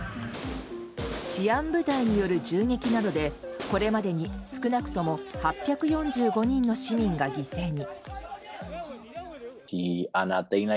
治安部隊による銃撃などでこれまでに少なくとも８４５人の市民が犠牲に。